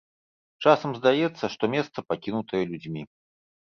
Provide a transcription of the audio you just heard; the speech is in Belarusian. Часам здаецца, што месца пакінутае людзьмі.